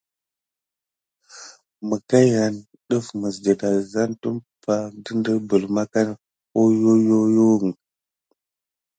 Məkayan yane def mis dedazan tumpay kutu suck kim kirore hohohokio.